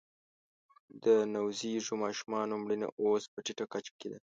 د نوزیږو ماشومانو مړینه اوس په ټیټه کچه کې ده